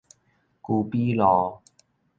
居比路